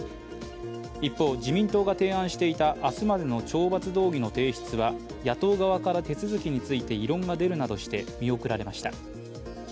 一方、自民党が提案していた明日までの懲罰動議の提出は野党側から手続きについて異論が出るなどして見送られました。